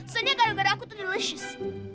setidaknya gara gara aku tuh delicious